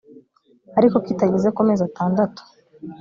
ariko kitageze ku mezi atandatu